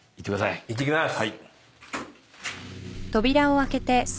いってきます。